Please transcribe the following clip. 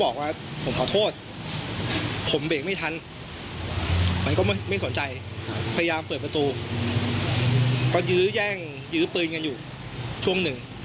ก็ยื้อแย่งยื้อปืนกันอยู่ช่วงหนึ่ง